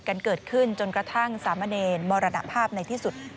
กันเกิดขึ้นจนกระทั่งสามเณรมรณภาพในที่สุด